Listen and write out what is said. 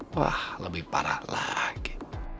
wah lebih parah lagi